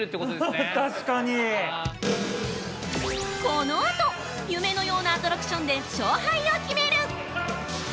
◆このあと、夢のようなアトラクションで勝敗を決める！